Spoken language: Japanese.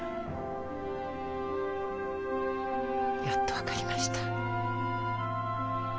やっと分かりました。